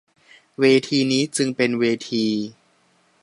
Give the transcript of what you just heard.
เวทีนี้จึงเป็นเวที